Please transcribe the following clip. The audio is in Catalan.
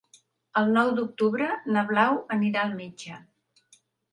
El nou d'octubre na Blau anirà al metge.